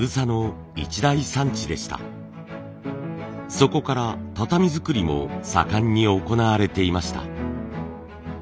そこから畳づくりも盛んに行われていました。